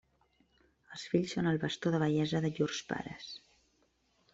Els fills són el bastó de vellesa de llurs pares.